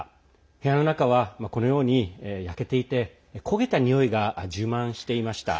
部屋の中はこのように焼けていて焦げたにおいが充満していました。